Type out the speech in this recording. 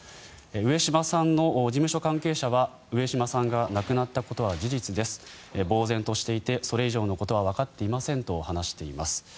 上島さんの事務所関係者は上島さんが亡くなったことは事実ですぼうぜんとしていてそれ以上のことはわかっていませんと話しています。